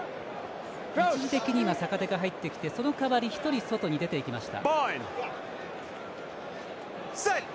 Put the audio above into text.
一時的に今、坂手が入ってきてその代わりに１人、外に出ていきました。